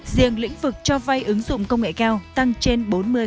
riêng lĩnh vực cho vay ứng dụng công nghệ cao tăng trên bốn mươi